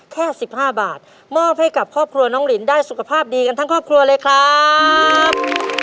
แค่๑๕บาทมอบให้กับครอบครัวน้องลินได้สุขภาพดีกันทั้งครอบครัวเลยครับ